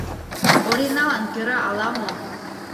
Ориналан кӧра ала-мо?